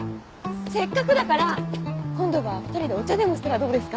せっかくだから今度は２人でお茶でもしたらどうですか？